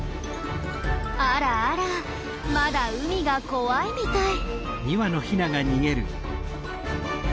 あらあらまだ海が怖いみたい。